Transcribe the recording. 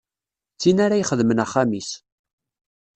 D tin ara ixedmen axxam-is.